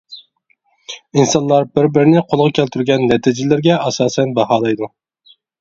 ئىنسانلار بىر-بىرىنى قولغا كەلتۈرگەن نەتىجىلىرىگە ئاساسەن باھالايدۇ.